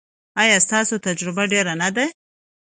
ایا ستاسو تجربه ډیره نه ده؟